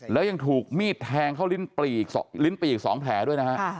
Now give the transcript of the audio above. แล้วยังถูกมีดแทงเข้าอีกลิ้นปีกอีก๒แผลด้วยนะฮะ